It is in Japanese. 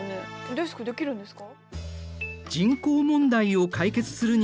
デスクできるんですか？